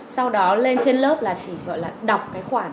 sau đó lên trên lớp là chỉ gọi là đọc cái khoản